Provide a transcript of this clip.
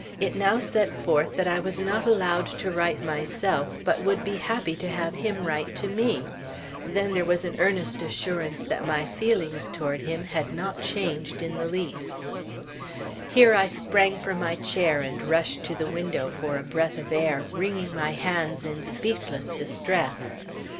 It now set forth that I was not allowed to write myself, but would be happy to have him write to me; then there was an earnest assurance that my feelings toward him had not changed in the least Here I sprang from my chair and rushed to the window for a breath of air, wringing my hands in speechless distress.